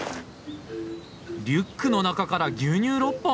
リュックの中から牛乳６本！